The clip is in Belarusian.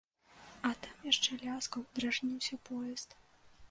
А там яшчэ ляскаў, дражніўся поезд.